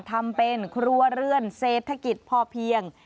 ทำเป็นครัวเรือนเศรษฐกิจพอเพียง